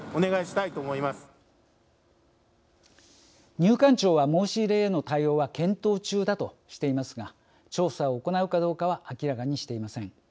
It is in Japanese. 入管庁は申し入れへの対応は検討中だとしていますが調査を行うかどうかは明らかにしていません。